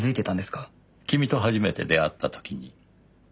君と初めて出会った時に。